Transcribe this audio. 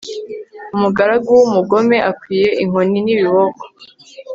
umugaragu w'umugome akwiye inkoni n'ibiboko